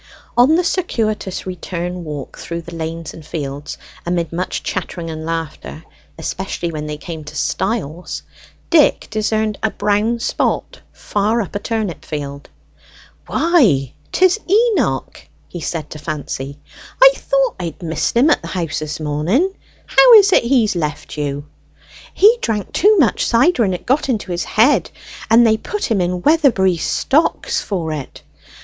On the circuitous return walk through the lanes and fields, amid much chattering and laughter, especially when they came to stiles, Dick discerned a brown spot far up a turnip field. "Why, 'tis Enoch!" he said to Fancy. "I thought I missed him at the house this morning. How is it he's left you?" "He drank too much cider, and it got into his head, and they put him in Weatherbury stocks for it.